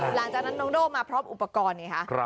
หลังจากนั้นน้องโด่มาพร้อมอุปกรณ์ไงคะ